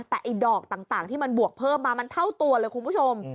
แต่ไอ้ดอกต่างที่มันบวกเพิ่มมามันเท่าตัวเลยคุณผู้ชม